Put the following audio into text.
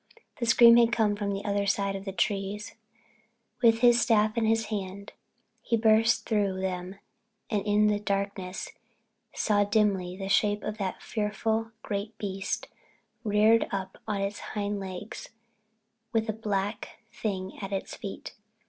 The scream had come from the other side of the trees. With his staff in his hand he burst through them and in the darkness saw dimly the shape of that fearful, great beast reared upon its hind legs, with a black thing lying at its feet.